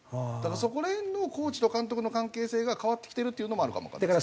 そこら辺のコーチと監督の関係性が変わってきてるっていうのもあるかもわかんないですね。